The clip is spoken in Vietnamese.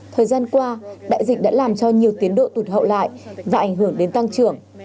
thời gian qua đại dịch đã làm cho nhiều tiến độ tụt hậu lại và ảnh hưởng đến tăng trưởng